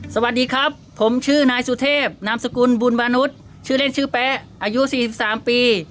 สวัสดีครับผมชื่อนายสุเทพนามสกุลบุญวานุษย์ชื่อเล่นชื่อแป๊ะอายุ๔๓ปี